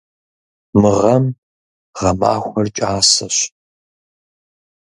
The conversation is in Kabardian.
Мы гъэм гъэмахуэр кӏасэщ.